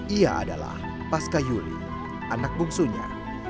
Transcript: ia adalah pasca yuli anak bungsunya